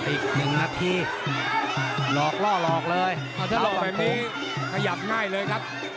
อีกหนึ่งนาทีหลอกล่อหลอกเลยถ้าหลอกแบบนี้ขยับง่ายเลยครับ